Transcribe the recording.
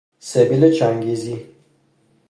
سبیل چنگیزی